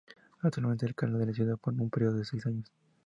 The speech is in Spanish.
Actualmente alcalde de la ciudad por un periodo de seis años.